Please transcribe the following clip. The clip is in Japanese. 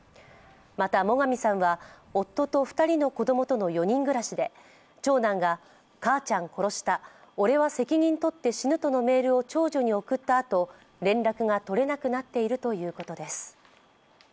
また、最上さんは夫と２人の子供との４人暮らしで長男が母ちゃん殺した、俺は責任取って死ぬとのメールを長女に送ったあと、連絡が取れなくなっているということです。